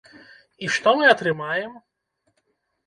І што мы атрымаем?